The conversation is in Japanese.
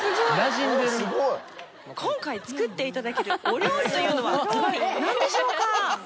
今回作っていただけるお料理というのはずばり何でしょうか？